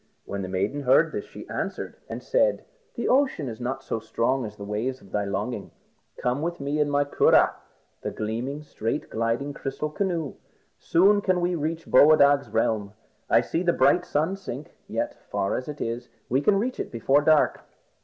When the maiden heard this, she answered and said "The ocean is not so strong as the waves of thy longing. Come with me in my curragh, the gleaming, straight gliding crystal canoe. Soon we can reach Boadag's realm. I see the bright sun sink, yet far as it is, we can reach it before dark.